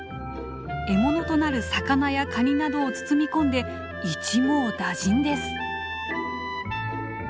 獲物となる魚やカニなどを包み込んで一網打尽です！